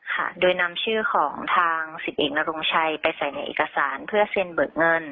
ค่ะโดยนำชื่อของทางสิบเอกนรงชัยไปใส่ในเอกสารเพื่อเซ็นเบิกเงิน